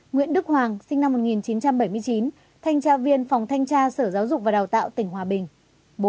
nguyễn đức hoàng sinh năm một nghìn chín trăm bảy mươi chín thanh tra viên phòng thanh tra sở giáo dục và đào tạo tỉnh hòa bình